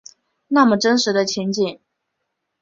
那么真实的情景